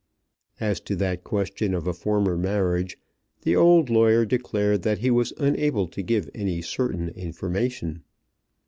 As to that question of a former marriage, the old lawyer declared that he was unable to give any certain information.